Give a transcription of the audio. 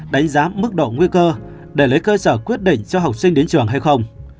đánh giá mức độ nguy cơ để lấy cơ sở quyết định cho học sinh đến trường hay không